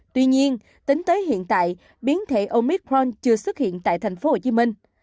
tuy nhiên tính tới hiện tại biến thể omicront chưa xuất hiện tại thành phố hồ chí minh